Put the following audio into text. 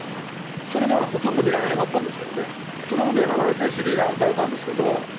それがほとんど見られなかったんですけどね、それを狙われてスリーラン打たれたんですけど。